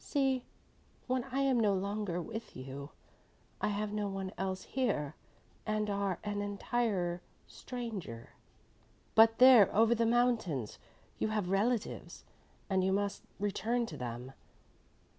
See, when I am no longer with you, you have no one else here, and are an entire stranger. But there over the mountains you have relatives, and you must return to them.